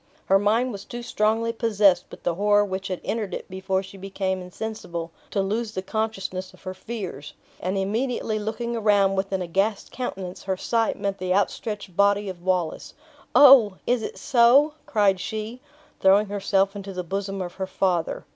Her mind was too strongly possessed with the horror which had entered it before she became insensible, to lose the consciousness of her fears; and immediately looking around with an aghast countenance, her sight met the outstretched body of Wallace. "Oh! is it so?" cried she, throwing herself into the bosom of her father.